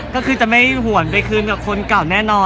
ก็คือจะไม่ห่วงเป็นคนกล่าวแน่นอน